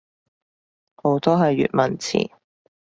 好多係粵文詞